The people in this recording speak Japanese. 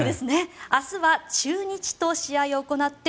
明日は中日と試合を行って